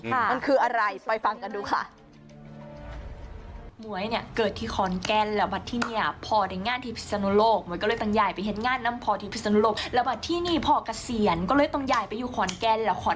มันคืออะไรไปฟังกันดูค่ะ